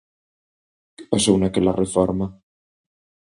Que pasou naquela reforma?